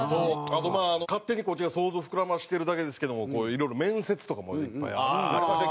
あと勝手にこっちが想像膨らませてるだけですけどもいろいろ面接とかもいっぱいあるんですよ。